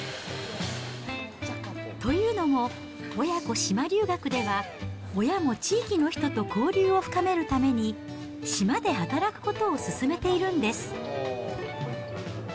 というのも、親子島留学では、親も地域の人と交流を深めるために、島で働くことを勧めているんです。